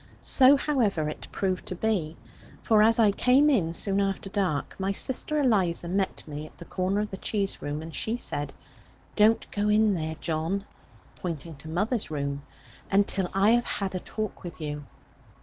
So however it proved to be; for as I came in, soon after dark, my sister Eliza met me at the corner of the cheese room, and she said, 'Don't go in there, John,' pointing to mother's room; 'until I have had a talk with you.'